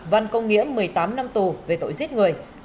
văn công nghĩa một mươi tám năm tù về tội giết người